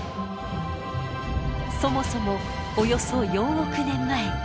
そもそもおよそ４億年前。